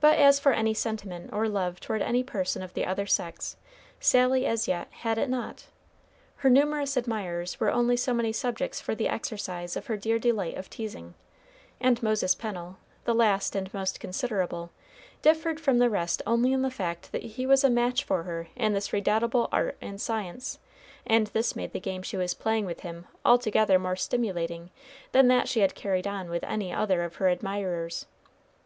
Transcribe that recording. But as for any sentiment or love toward any person of the other sex, Sally, as yet, had it not. Her numerous admirers were only so many subjects for the exercise of her dear delight of teasing, and Moses Pennel, the last and most considerable, differed from the rest only in the fact that he was a match for her in this redoubtable art and science, and this made the game she was playing with him altogether more stimulating than that she had carried on with any other of her admirers.